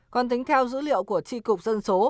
còn tính theo dữ liệu của tri cục dân số